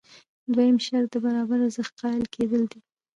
دویم شرط د برابر ارزښت قایل کېدل دي.